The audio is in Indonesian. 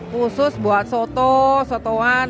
khusus buat soto sotowan